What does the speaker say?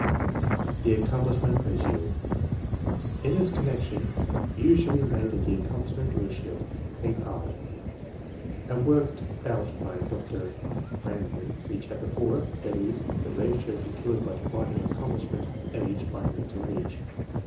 The Accomplishment Ratio. In this connection use should be made of the Accomplishment Ratio (AR) jasT worked out by Dr. Franzen (see Chapter 4) ; that is, flie v .. ratio secured by dividing accomplishment age by men tal age.